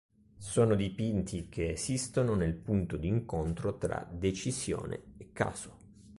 Sono dipinti che esistono nel punto di incontro tra decisione e caso.